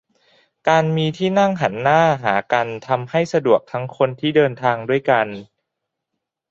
การมีที่นั่งหันหน้าหากันทำให้สะดวกทั้งคนที่เดินทางด้วยกัน